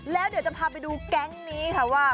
แล้วเดี๋ยวจะพาไปดูแก๊งนี้ค่ะว่า